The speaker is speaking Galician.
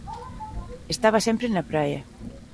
Estaba sempre na praia.